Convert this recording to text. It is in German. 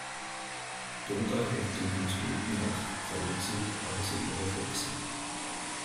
Doda hält den Konsumenten wach, verlangsamt aber seine Reflexe.